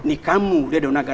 ini kamu yang memiliki sanggam